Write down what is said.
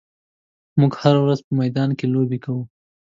موږ هره ورځ په میدان کې لوبې کوو.